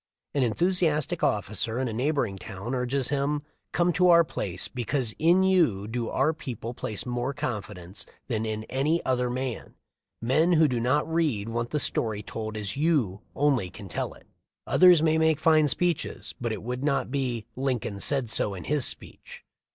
An enthusiastic officer in a neighboring town urges him: "Come to our place, because in you do our people place more confidence than in any other man. Men who do not read want the story told as you only can tell it. Others may make fine speeches, but it would not be 'Lincoln said so in his speech.'